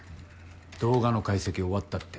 動画の解析終わったって。